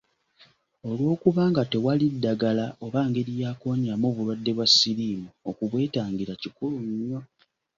Olw’okuba nga tewali ddagala oba ngeri ya kuwonyaamu bulwadde bwa siriimu, okubwetangira kikulu nnyo.